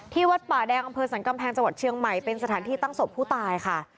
วัดป่าแดงอำเภอสรรกำแพงจังหวัดเชียงใหม่เป็นสถานที่ตั้งศพผู้ตายค่ะ